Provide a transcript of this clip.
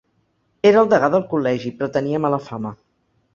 Era el degà del Col·legi, però tenia mala fama.